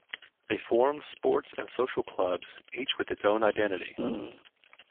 They formed sports and social clubs each with its own identity.